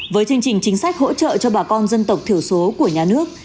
với chương trình chính sách hỗ trợ cho bà con dân tộc thiểu số của nhà nước